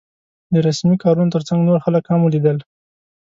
د رسمي کارونو تر څنګ نور خلک هم ولیدل.